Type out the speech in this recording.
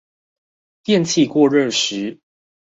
電器過熱時